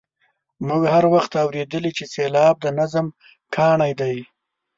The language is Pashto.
موږ هر وخت اورېدلي چې سېلاب د نظم کاڼی دی.